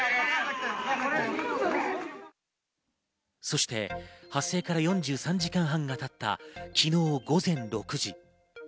そして発生から４３時間半がたった昨日午前６時。